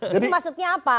jadi maksudnya apa